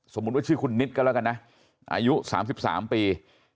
สมมุติว่าชื่อคุณนิดก็แล้วกันนะอายุ๓๓ปี